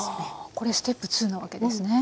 これステップ２なわけですね。